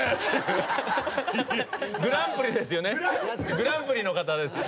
グランプリですよね。